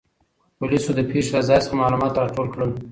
پولیسو د پېښې له ځای څخه معلومات راټول کړل.